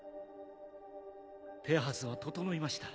手はずは整いました